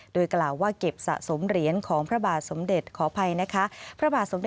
โดยกล่าวว่าเก็บสะสมเหรียญของพระบาทสมเด็จขออภัยนะคะ